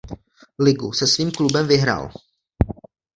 Ligu se svým klubem vyhrál.